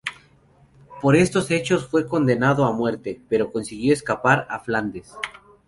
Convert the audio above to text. Por estos hechos fue condenado a muerte, pero consiguió escapar a Flandes.